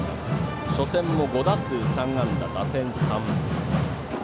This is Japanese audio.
初戦も５打数３安打、打点３。